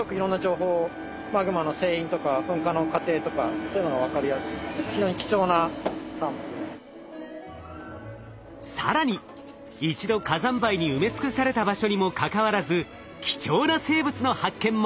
こういうのってものすごくいろんな情報を更に一度火山灰に埋め尽くされた場所にもかかわらず貴重な生物の発見も！